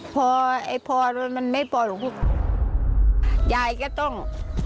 มีพ่อเรือมันต้องยายก็ต้อง